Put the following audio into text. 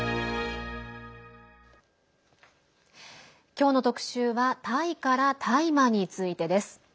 今日の特集はタイから大麻についてです。